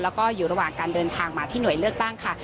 แล้วก็อยู่ระหว่างการเดินทางมาที่หน่วยเลือกตั้งค่ะ